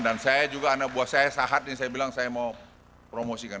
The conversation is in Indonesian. dan saya juga anak buah saya sahat ini saya juga berdua saya berdua